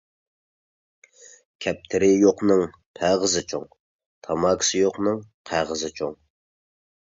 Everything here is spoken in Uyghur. كەپتىرى يوقنىڭ پەغىزى چوڭ، تاماكىسى يوقنىڭ قەغىزى چوڭ.